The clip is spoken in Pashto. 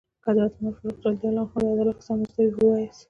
که د حضرت عمر فاروق رض د عدالت کیسه مو زده وي ويې وایاست.